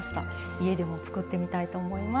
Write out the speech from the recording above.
家でも作ってみたいと思います。